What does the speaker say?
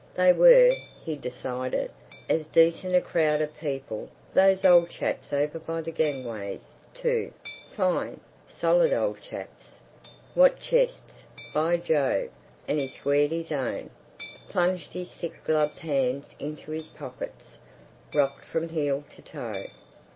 They were, he decided, as decent a crowd of people—— Those old chaps over by the gangways, too—fine, solid old chaps. What chests—by Jove! And he squared his own, plunged his thick gloved hands into his pockets, rocked from heel to toe.